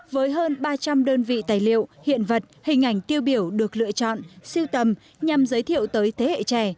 với hơn ba trăm linh đơn vị tài liệu hiện vật hình ảnh tiêu biểu được lựa chọn siêu tầm nhằm giới thiệu tới thế hệ trẻ